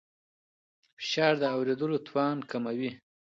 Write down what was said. فشار د اورېدو توان کموي.